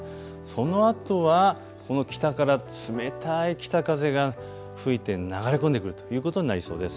そのあとは北から冷たい北風が吹いて流れ込んでくるということになりそうです。